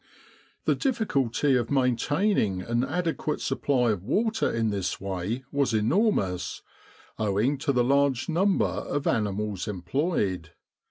The difficulty of maintaining an adequate supply of water in this way was enormous, owing to the large number of animals employed.